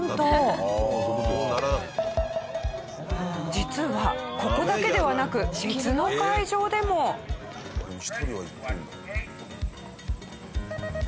実はここだけではなくでも１人は行ってるんだ。